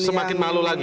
semakin malu lagi